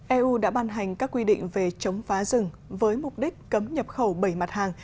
eu đã ban hành các quy định về chống phá rừng với mục đích cấm nhập khẩu bảy mặt hàng